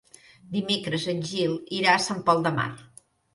Dimecres en Gil irà a Sant Pol de Mar.